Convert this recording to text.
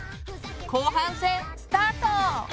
後半戦スタート！